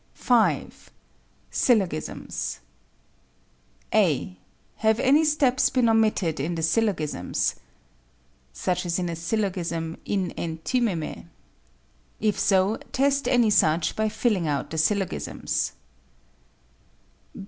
5. Syllogisms (a) Have any steps been omitted in the syllogisms? (Such as in a syllogism in enthymeme.) If so, test any such by filling out the syllogisms.